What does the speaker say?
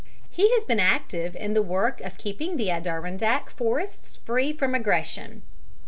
He has been active in the work of keeping the Adirondack forests free from aggression.